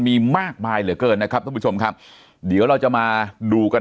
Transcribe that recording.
มีมากมายเหลือเกินนะครับท่านผู้ชมครับเดี๋ยวเราจะมาดูกัน